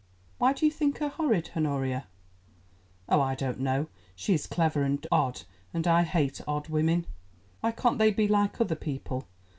"Why do you think her horrid, Honoria?" "Oh, I don't know; she is clever and odd, and I hate odd women. Why can't they be like other people?